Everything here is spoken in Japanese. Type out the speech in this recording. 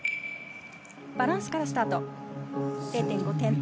バランスからスタート、０．５点。